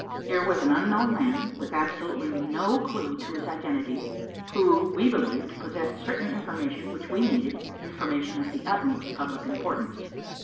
Here was an unknown man, with absolutely no clue to his identity, who, we believed, possessed certain information which we needed, information of the utmost public importance.